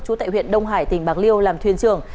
trú tại huyện đông hải tỉnh bạc liêu làm thuyền trưởng